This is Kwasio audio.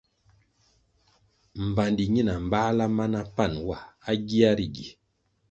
Mbpandi ñina mbáhla ma na pan wa à gia ri gi.